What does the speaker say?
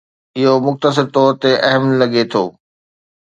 اهو مختصر طور تي اهم لڳي ٿو